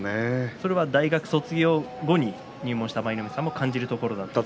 それは大学卒業後に入門した舞の海さんも感じるところですか？